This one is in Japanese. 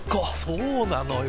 そうなのよ。